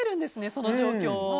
その状況を。